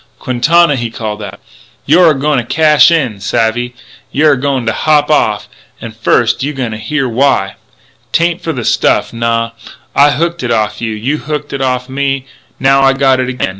"Quintana," he called out, "you're a going to cash in. Savvy? You're a going to hop off. An' first you gotta hear why. 'Tain't for the stuff. Naw! I hooked it off'n you; you hooked it off'n me; now I got it again.